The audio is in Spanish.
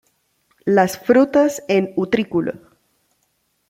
Las frutas en utrículo.